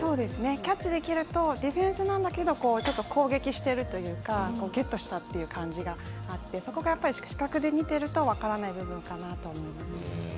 キャッチできるとディフェンスなんだけど攻撃しているというかゲットしたという感じがあってそこが視覚で見ていると分からない部分かなと思います。